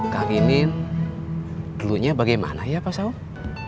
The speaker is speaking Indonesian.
kang inim dulunya bagaimana ya pak saud